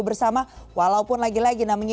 bersama walaupun lagi lagi namanya